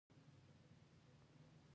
د دې ګډېدو څخه مالي پانګه رامنځته کېږي